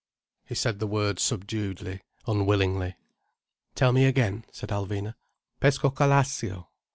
He said the word subduedly, unwillingly. "Tell me again," said Alvina. "Pescocalascio."